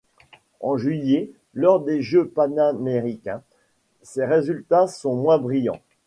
En juillet, lors des Jeux panaméricains, ses résultats sont moins brillants.